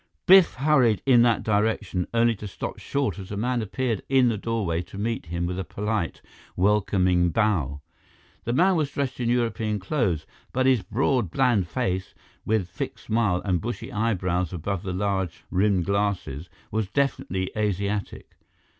Biff hurried in that direction, only to stop short as a man appeared in the doorway to meet him with a polite, welcoming bow. The man was dressed in European clothes, but his broad, bland face, with fixed smile and bushy eyebrows above his large rimmed glasses, was definitely Asiatic.